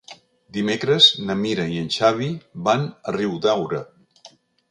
Dimecres na Mira i en Xavi van a Riudaura.